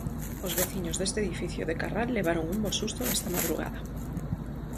Os veciños deste edifico de Carral levaron un bo susto esta madrugada.